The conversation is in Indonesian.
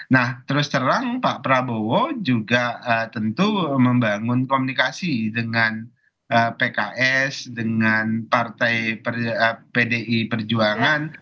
nah terus terang pak prabowo juga tentu membangun komunikasi dengan pks dengan partai pdi perjuangan